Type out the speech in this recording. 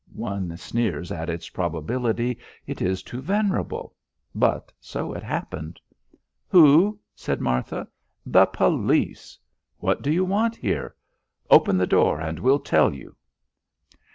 One sneers at its probability; it is too venerable. But so it happened. "Who?" said Martha. "The police!" "What do you want here?" "Open the door and we'll tell you."